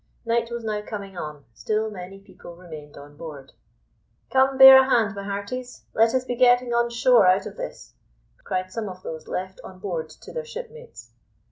Night was now coming on; still many people remained on board. "Come, bear a hand, my hearties; let us be getting on shore out of this," cried some of those left on board to their shipmates.